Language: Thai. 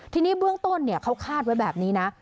ทีนี้เบื้องต้นเขาคาดไว้แบบนี้นะ